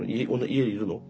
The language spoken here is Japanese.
家にいるの？